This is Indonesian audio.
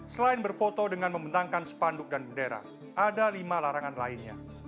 selain berfoto dengan membentangkan sepanduk dan bendera ada lima larangan lainnya